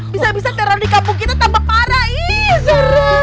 bisa bisa karena di kampung kita tambah parah ini seru